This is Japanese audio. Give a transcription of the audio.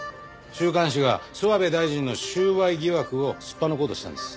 週刊誌が諏訪部大臣の収賄疑惑をすっぱ抜こうとしたんです。